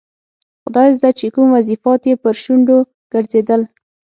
خدایزده چې کوم وظیفات یې پر شونډو ګرځېدل.